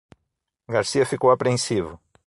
Garcia ficou apreensivo.